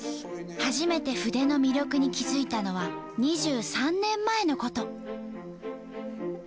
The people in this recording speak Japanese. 初めて筆の魅力に気付いたのは２３年前のこと。